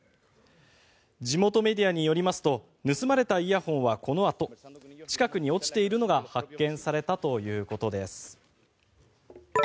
地元メディアによりますと盗まれたイヤホンはこのあと近くに落ちているのが発見されたということです。